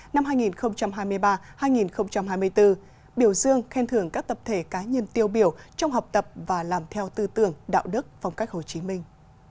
năm hai nghìn hai mươi ba hai nghìn hai mươi bốn biểu dương khen thưởng các tập thể cá nhân tiêu biểu trong học tập và làm theo tư tưởng đạo đức phong cách hồ chí minh